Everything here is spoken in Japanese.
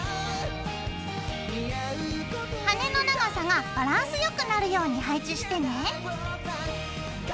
羽根の長さがバランスよくなるように配置してね。